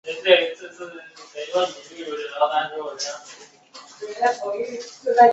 圣让达尔卡皮耶。